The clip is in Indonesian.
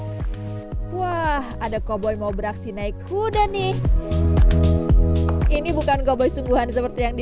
hai hai hai wah ada koboi mau beraksi naik kuda nih ini bukan goboi sungguhan seperti yang di